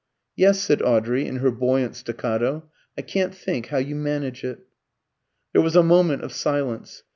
"Yes," said Audrey in her buoyant staccato, "I can't think how you manage it." There was a moment of silence.